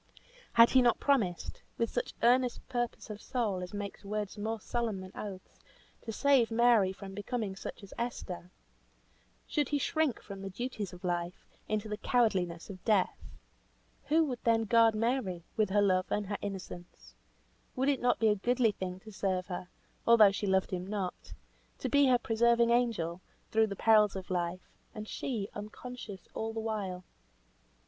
Had he not promised with such earnest purpose of soul, as makes words more solemn than oaths, to save Mary from becoming such as Esther? Should he shrink from the duties of life, into the cowardliness of death? Who would then guard Mary, with her love and her innocence? Would it not be a goodly thing to serve her, although she loved him not; to be her preserving angel, through the perils of life; and she, unconscious all the while?